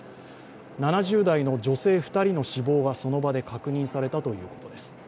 ７０代の女性２人の死亡がその場で確認されたということです。